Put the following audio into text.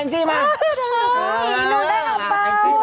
นั่นนั่นอังเปล่า